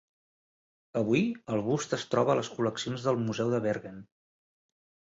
Avui, el bust es troba a les col·leccions del Museu de Bergen.